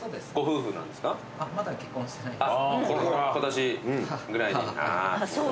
そうですね。